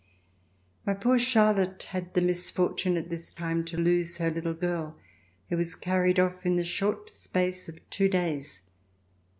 My poor Charlotte had the misfortune at this time to lose her little girl who was carried off in the short space of two days.